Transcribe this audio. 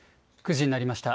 ９時になりました。